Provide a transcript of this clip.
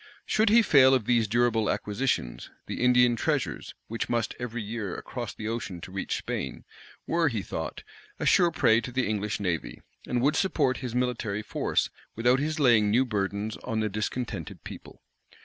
Should he fail of these durable acquisitions, the Indian treasures, which must every year cross the ocean to reach Spain, were, he thought, a sure prey to the English navy, and would support his military force without his laying new burdens on the discontented people.